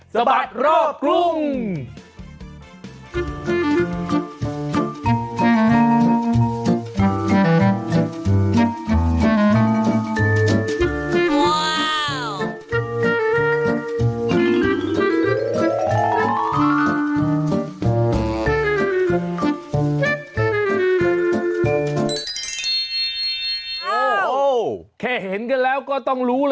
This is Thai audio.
สบัดรอบกลุ่ม